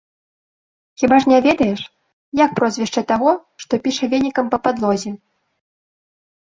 Хіба ж не ведаеш, як прозвішча таго, што піша венікам па падлозе?